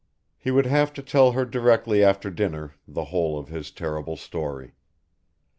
He would have to tell her directly after dinner the whole of his terrible story.